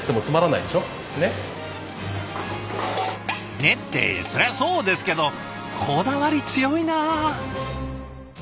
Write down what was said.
「ね？」ってそりゃそうですけどこだわり強いな。